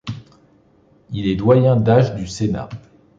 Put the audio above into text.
Il est doyen d’âge du Sénat.